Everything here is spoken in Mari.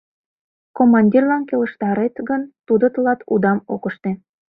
Командирлан келыштарет гын, тудо тылат удам ок ыште.